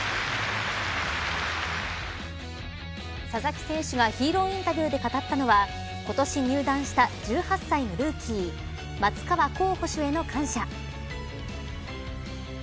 佐々木選手がヒーローインタビューで語ったのは今年入団した１８歳のルーキー松川虎生捕手への感謝。